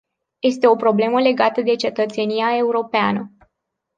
Este o problemă legată de cetățenia europeană.